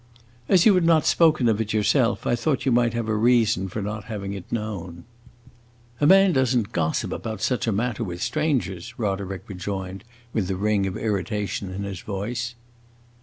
"As you had not spoken of it yourself, I thought you might have a reason for not having it known." "A man does n't gossip about such a matter with strangers," Roderick rejoined, with the ring of irritation in his voice.